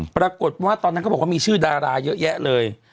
ปรากฏว่าตอนนั้นเขาบอกว่ามีชื่อดาราเยอะแยะเลย